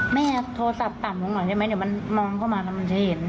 แม่โทรศัพท์ต่ำลงหน่อยได้ไหมเดี๋ยวมันมองเข้ามาแล้วมันจะเห็น